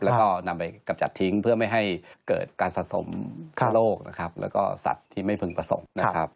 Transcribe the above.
แล้วก็นำไปกำจัดทิ้งเพื่อไม่ให้เกิดการสะสมโรคนะครับแล้วก็สัตว์ที่ไม่พึงประสงค์นะครับ